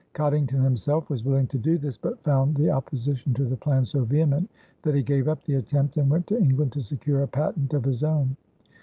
Coddington himself was willing to do this but found the opposition to the plan so vehement that he gave up the attempt and went to England to secure a patent of his own.